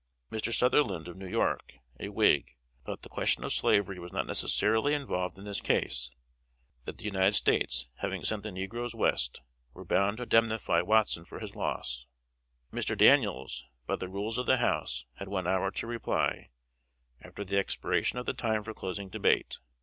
Mr. Southerland, of New York, a Whig, thought the question of slavery was not necessarily involved in this case; that the United States, having sent the negroes West, were bound to indemnify Watson for his loss. Mr. Daniels, by the rules of the House, had one hour to reply, after the expiration of the time for closing debate.